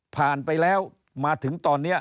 ผ่านไปแล้วมาถึงตอนนี้